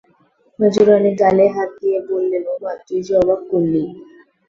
মেজোরানী গালে হাত দিয়ে বললেন, ওমা, তুই যে অবাক করলি!